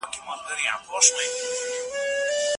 هیڅوک هغه را ګرځولی نه سي.